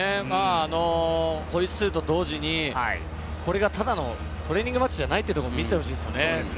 ホイッスルと同時にこれがただのトレーニングマッチじゃないというところを見せてほしいですね。